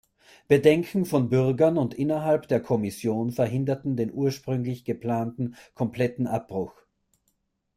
Bedenken von Bürgern und innerhalb der Kommission verhinderten den ursprünglich geplanten kompletten Abbruch.